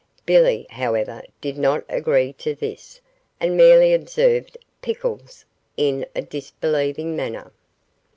Billy, however, did not agree to this, and merely observed 'Pickles,' in a disbelieving manner.